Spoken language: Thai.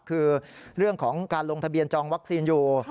คือเรื่องของการลงทะเบียนจองวัคซีนอยู่